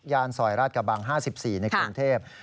ซอยราชกระบัง๕๔ในกรุงเทพ